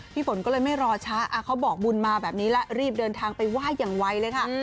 ฝนก็เลยไม่รอช้าเขาบอกบุญมาแบบนี้แล้วรีบเดินทางไปไหว้อย่างไวเลยค่ะ